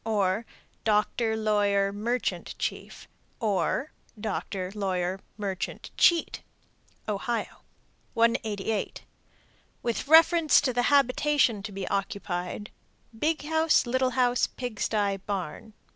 Or, Doctor, lawyer, merchant, chief. Or, Doctor, lawyer, merchant, cheat. Ohio. 188. With reference to the habitation to be occupied: Big house, little house, pig sty, barn.